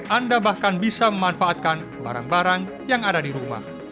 anda bahkan bisa memanfaatkan barang barang yang ada di rumah